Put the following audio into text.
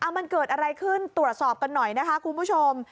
มันเกิดอะไรขึ้นตรวจสอบกันหน่อยนะคะคุณผู้ชม